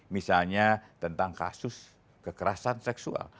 misalnya tentang kasus kekerasan seksual